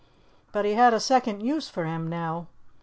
But he had a second use for him now.